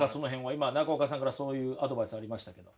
今中岡さんからそういうアドバイスありましたけど。